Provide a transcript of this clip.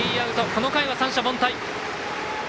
この回は三者凡退。